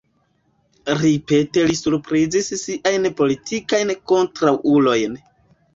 Ripete li surprizis siajn politikajn kontraŭulojn.